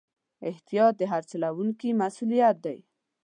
احتیاط د هر چلوونکي مسؤلیت دی.